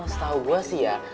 setahu gue sih ya